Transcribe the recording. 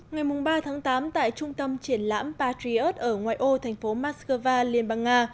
ngày ba tháng tám tại trung tâm triển lãm patriot ở ngoài ô thành phố moscow liên bang nga